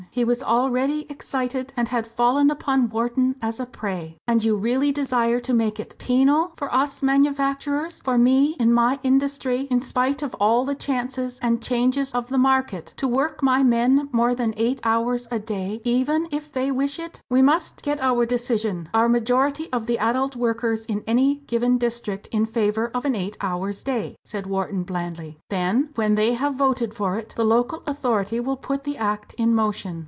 He was already excited, and had fallen upon Wharton as a prey. "And you really desire to make it penal for us manufacturers for me in my industry in spite of all the chances and changes of the market, to work my men more than eight hours a day even if they wish it!" "We must get our decision, our majority of the adult workers in any given district in favour of an eight hours day," said Wharton, blandly; "then when they have voted for it, the local authority will put the Act in motion."